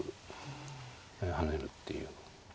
跳ねるっていう。